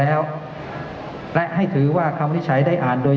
ที่สารมนตร์ได้อ่านคำวินิจฉัยที่สารมนตร์